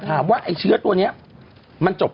พี่เราหลุดมาไกลแล้วฝรั่งเศส